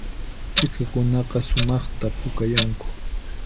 T'ikakunaqa sumaqta pukayanku